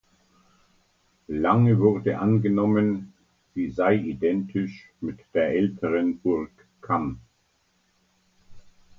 Lange wurde angenommen sie sei identisch mit der älteren Burg Kamm.